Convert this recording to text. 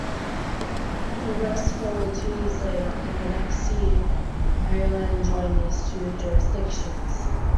Congress followed two years later, and the next year Maryland joined these two jurisdictions.